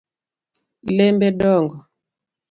Lembe dongo